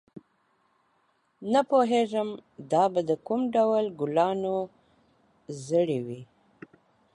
نه پوهېږم دا به د کوم ډول ګلانو زړي وي.